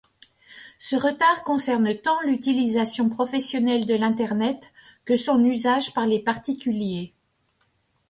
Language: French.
Ce retard concerne tant l'utilisation professionnelle de l'internet que son usage par les particuliers.